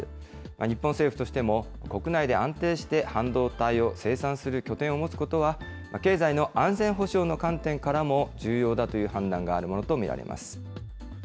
日本政府としても、国内で安定して半導体を生産する拠点を持つことは、経済の安全保障の観点からも重要だという判断があるものと見られます。